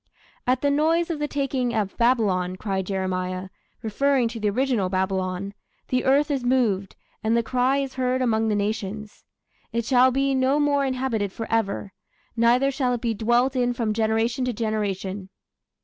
"At the noise of the taking of Babylon", cried Jeremiah, referring to the original Babylon, "the earth is moved, and the cry is heard among the nations.... It shall be no more inhabited forever; neither shall it be dwelt in from generation to generation."